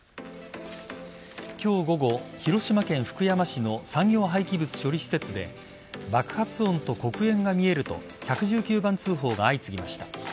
今日午後、広島県福山市の産業廃棄物処理施設で爆発音と黒煙が見えると１１９番通報が相次ぎました。